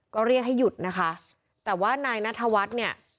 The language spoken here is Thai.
ก็เรียกให้หยุดนะคะแต่ว่านายนัทวัฒน์เนี่ย